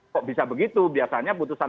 kok bisa begitu biasanya putusan